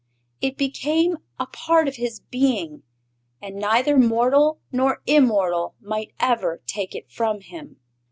It became a part of his being, and neither mortal nor immortal might ever take it from him.